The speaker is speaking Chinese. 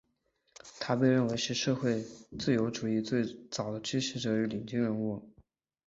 他被认为是社会自由主义最早的支持者与领军人物。